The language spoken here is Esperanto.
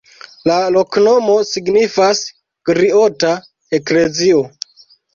La loknomo signifas: griota-eklezio.